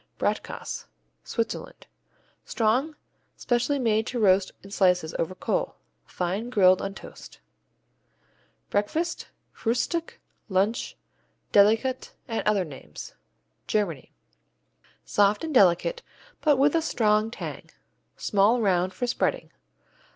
Bratkäse Switzerland Strong; specially made to roast in slices over coal. Fine, grilled on toast. Breakfast, Frühstück, Lunch, Delikat, and other names Germany Soft and delicate, but with a strong tang. Small round, for spreading.